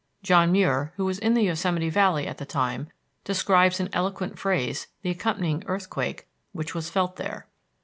John Muir, who was in the Yosemite Valley at the time, describes in eloquent phrase the accompanying earthquake which was felt there.